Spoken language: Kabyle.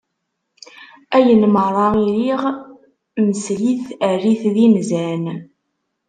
Ayen merra i riɣ msel-it err-it d inzan.